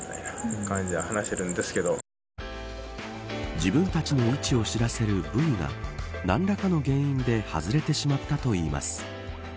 自分たちの位置を知らせるブイが何らかの原因で外れてしまったといいます。